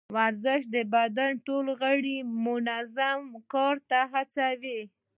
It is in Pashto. ورزش د بدن ټول غړي منظم کار ته هڅوي.